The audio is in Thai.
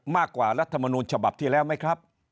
รัฐมนูลฉบับที่แล้วไหมครับ